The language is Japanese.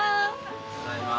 ただいま。